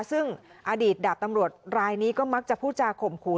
ซึ่งอดีตดาบตำรวจรายนี้ก็มักจะพูดจาข่มขู่